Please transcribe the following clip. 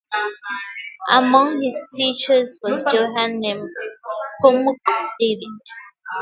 Among his teachers was Johann Nepomuk David.